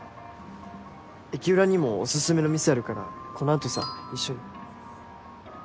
駅裏にもオススメの店あるからこの後さ一緒に。